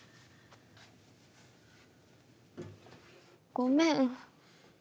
ごめん。